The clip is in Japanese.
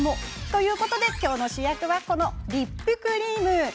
ということで、今日の主役はリップクリーム。